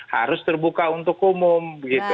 harus terbuka untuk umum